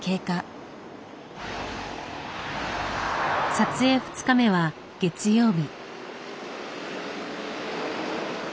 撮影２日目は月曜日。